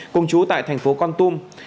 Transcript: cùng chú tại thành phố con tum